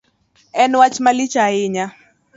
En wach malich ahinya